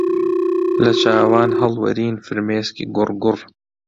لە چاوان هەڵوەرین فرمێسکی گوڕگوڕ